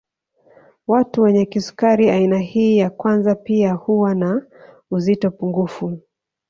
Watu wenye kisukari aina hii ya kwanza pia huwa na uzito pungufu